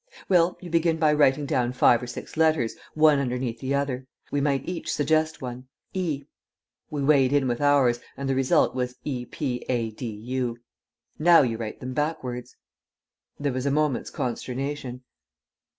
"Well, you begin by writing down five or six letters, one underneath the other. We might each suggest one. 'E.'" We weighed in with ours, and the result was E P A D U. "Now you write them backwards." There was a moment's consternation.